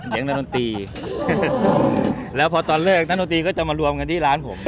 นักดนตรีแล้วพอตอนเลิกนักดนตรีก็จะมารวมกันที่ร้านผม